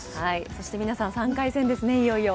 そして、三奈さん、３回戦ですねいよいよ。